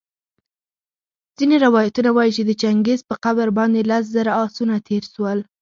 ځیني روایتونه وايي چي د چنګیز په قبر باندي لس زره آسونه تېرسول